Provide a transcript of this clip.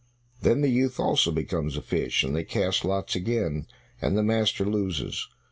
Then the youth also becomes a fish, and they cast lots again, and the master loses.